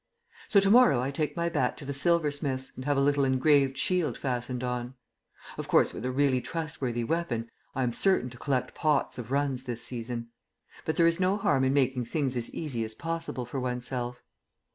So to morrow I take my bat to the silversmith's and have a little engraved shield fastened on. Of course, with a really trustworthy weapon I am certain to collect pots of runs this season. But there is no harm in making things as easy as possible for oneself.